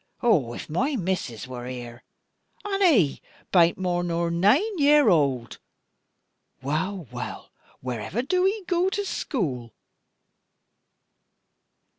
Oh, if my missus wor here! And 'e bain't more nor naine year old! Wull, wull, where ever do 'e goo to schoüll?"